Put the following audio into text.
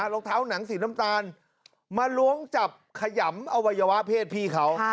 รองเท้าหนังสีน้ำตาลมาล้วงจับขยำอวัยวะเพศพี่เขา